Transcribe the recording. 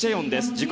自己